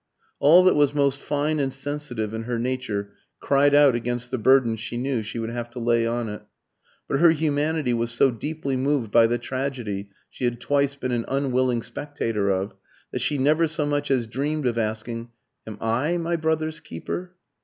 All that was most fine and sensitive in her nature cried out against the burden she knew she would have to lay on it. But her humanity was so deeply moved by the tragedy she had twice been an unwilling spectator of, that she never so much as dreamed of asking, "Am I my brother's keeper?"